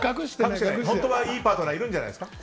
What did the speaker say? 本当はいいパートナーいるんじゃないですか？